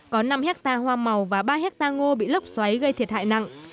có năm hectare hoa màu và ba hectare ngô bị lốc xoáy gây thiệt hại nặng